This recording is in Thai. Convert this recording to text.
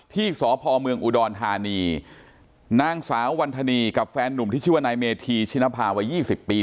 ที่สพอุดรทานีนางสาววรรษนีกับแฟนหนุ่มที่ชื่อว่าไนต์เมธีชินภาวะ๒๐ปี